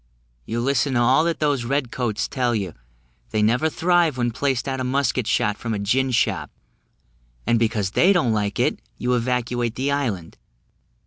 You listen to all that those red coats tell you; they never thrive when placed out of musket shot from a gin shop: and because they don't like it, you evacuate the island.